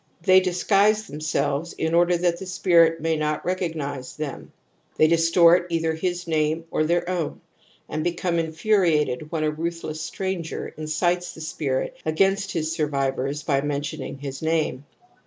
They disguise themselves in order that the spirit may not recognize them *•, they distort either his name or their own, and become infuriated when a ruthless stranger incites the spirit against his survivors by mentioning his name.